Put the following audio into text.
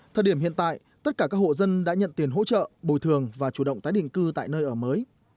thời điểm hiện tại tất cả các hộ dân đã nhận tiền hỗ trợ bồi thường và chủ động tái định cư tại nơi ở mới